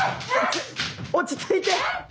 落ち着いて！